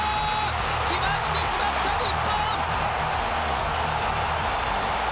決まってしまった、日本。